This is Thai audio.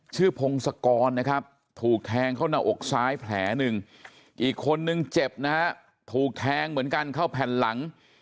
พงศกรนะครับถูกแทงเข้าหน้าอกซ้ายแผลหนึ่งอีกคนนึงเจ็บนะฮะถูกแทงเหมือนกันเข้าแผ่นหลัง